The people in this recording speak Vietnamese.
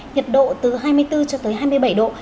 nhiệt độ từ hai mươi bốn cho tới hai mươi bảy độ